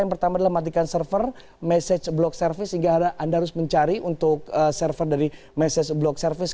yang pertama adalah matikan server message block service sehingga anda harus mencari untuk server dari message block service